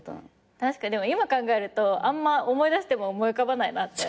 確かに今考えるとあんま思い出しても思い浮かばないなって。